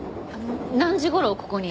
何時頃ここに？